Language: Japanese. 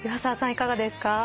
いかがですか？